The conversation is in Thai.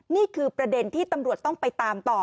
นี่คือประเด็นที่ตำรวจต้องไปตามต่อ